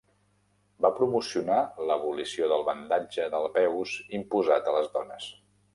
Va promocionar la abolició del bandatge de peus imposat a les dones.